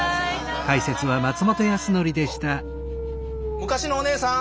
昔のおねえさん。